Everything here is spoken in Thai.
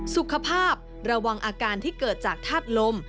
สุขภาพระวังอาการที่เกิดจากธาตุลม